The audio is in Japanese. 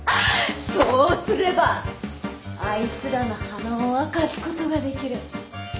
そうすればあいつらの鼻を明かすことができる。